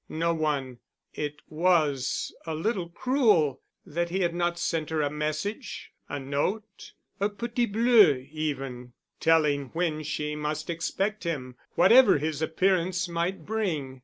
No one. It was a little cruel that he had not sent her a message—a note, a petit bleu even, telling when she must expect him, whatever his appearance might bring.